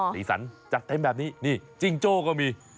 ศรีสรรพ์จัดเท่มแบบนี้นี่จิ้งโจ้ก็มี